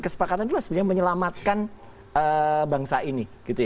kesepakatan itulah sebenarnya menyelamatkan bangsa ini